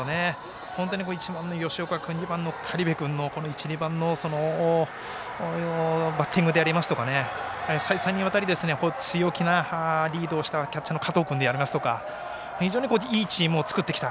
本当に、１番の吉岡君２番の苅部君という１、２番のバッティングでありますとか再三にわたり強気なリードをしたキャッチャーの加藤君ですとか非常にいいチームを作ってきた。